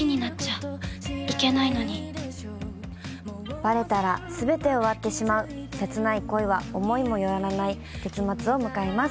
バレたら全て終わってしまう切ない恋は思いもよらない結末を迎えます。